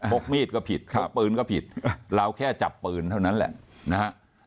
กมีดก็ผิดพกปืนก็ผิดเราแค่จับปืนเท่านั้นแหละนะฮะ